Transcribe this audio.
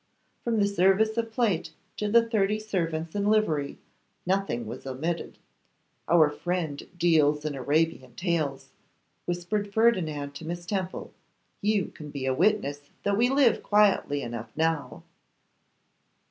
From the service of plate to the thirty servants in livery, nothing was omitted. 'Our friend deals in Arabian tales,' whispered Ferdinand to Miss Temple; 'you can be a witness that we live quietly enough now.